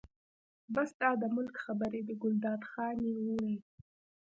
بس دا د ملک خبرې دي، ګلداد خان یې وویل.